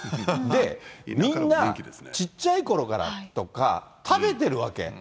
で、みんな、ちっちゃいころからとか、食べてるわけ。